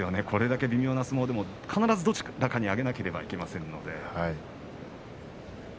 これだけ微妙な相撲でも必ずどちらかに上げなければいけませんからね。